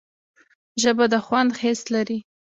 ژبه د خوند حس لري